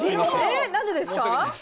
えっ何でですか？